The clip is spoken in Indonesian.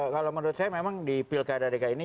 kalau menurut saya memang di pilkada dki ini